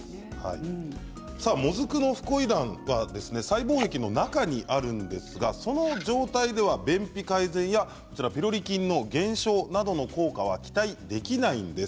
もずくのフコイダンは細胞壁の中にあるんですがその状態では便秘改善やピロリ菌減少などの効果は期待できないんです。